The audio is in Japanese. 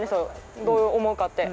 どう思うかって。